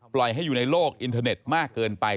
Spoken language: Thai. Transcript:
ให้อยู่ในโลกอินเทอร์เน็ตมากเกินไป